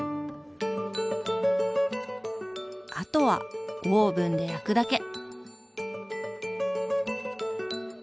あとはオーブンで焼くだけ。